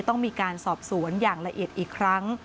ต้องมีการสอบสวนอย่างละเอียดอีกครั้ง